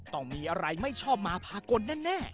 ต้องมีอะไรไม่ชอบมาพากลแน่